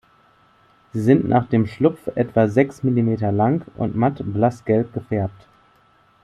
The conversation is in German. Sie sind nach dem Schlupf etwa sechs Millimeter lang und matt blassgelb gefärbt.